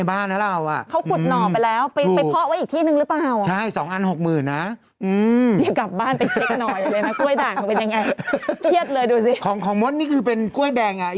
อย่ากลับบ้านไปเช็คหน่อยเลยนะ